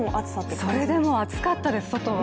それでも暑かったです、外は。